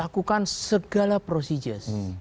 lakukan segala prosedur